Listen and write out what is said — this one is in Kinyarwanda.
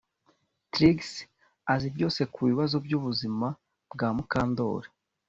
Trix azi byose kubibazo byubuzima bwa Mukandoli